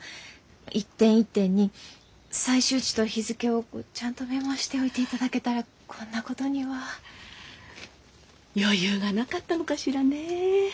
一点一点に採集地と日付をちゃんとメモしておいていただけたらこんなことには。余裕がなかったのかしらね。